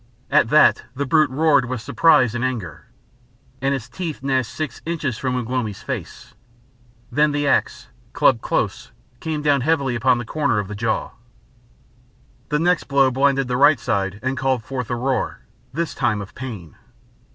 At that the brute roared with surprise and anger, and his teeth gnashed six inches from Ugh lomi's face. Then the axe, clubbed close, came down heavily on the corner of the jaw. The next blow blinded the right side and called forth a roar, this time of pain.